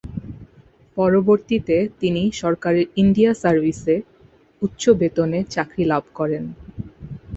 পরবর্তীতে তিনি সরকারের ইন্ডিয়া সার্ভিসে উচ্চ বেতনে চাকরি লাভ করেন।